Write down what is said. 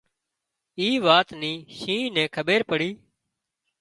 اي وات نِي شينهن نين کٻير پڙي